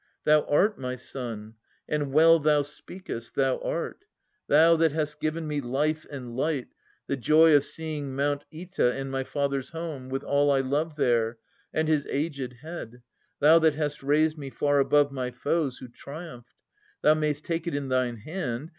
Thou art, my son, — and well thou speakest, — thou art. Thou, that hast given me life and light, the joy Of seeing Mount Oeta and my father's home, With all I love there, and his aged head, — Thou that hast raised me far above my foes Who triumphed ! Thou may'st take it in thine hand.